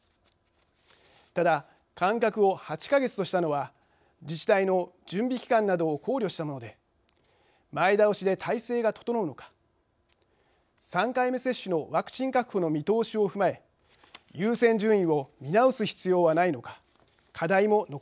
ただ間隔を８か月としたのは自治体の準備期間などを考慮したもので前倒しで態勢が整うのか３回目接種のワクチン確保の見通しを踏まえ優先順位を見直す必要はないのか課題も残ります。